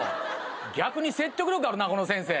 逆に説得力あるなこの先生。